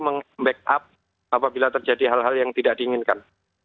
meng backup apabila terjadi hal hal yang tidak diinginkan